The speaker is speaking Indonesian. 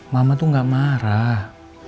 mama tuh gak marah